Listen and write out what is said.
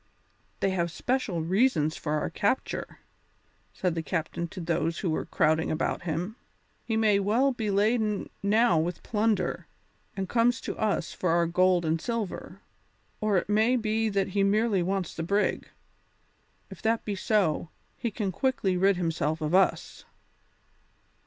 "They have special reasons for our capture," said the captain to those who were crowding about him; "he may be well laden now with plunder, and comes to us for our gold and silver. Or it may be that he merely wants the brig. If that be so, he can quickly rid himself of us."